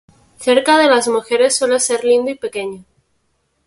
Cerca de las mujeres suele ser lindo y pequeño.